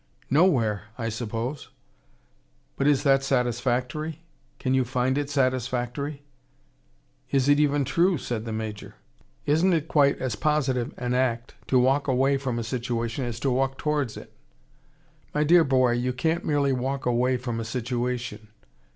"Nowhere, I suppose." "But is that satisfactory? Can you find it satisfactory?" "Is it even true?" said the Major. "Isn't it quite as positive an act to walk away from a situation as to walk towards it?" "My dear boy, you can't merely walk away from a situation.